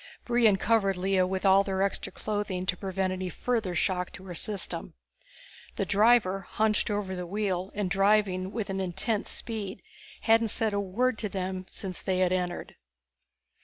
Brion covered Lea with all their extra clothing to prevent any further shock to her system. The driver, hunched over the wheel and driving with an intense speed, hadn't said a word to them since they had entered.